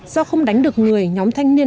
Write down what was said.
do không đánh được người nhóm thanh niên